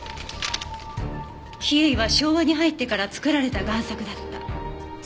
『比叡』は昭和に入ってから作られた贋作だった。